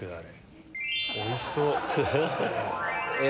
おいしそう！